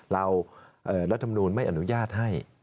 รัฐมนูลไม่อนุญาตให้